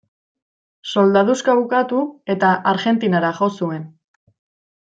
Soldaduska bukatu eta Argentinara jo zuen.